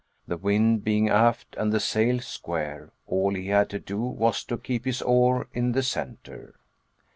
The wind being aft, and the sail square, all he had to do was to keep his oar in the centre.